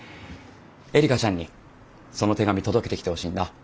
えりかちゃんにその手紙届けてきてほしいんだ。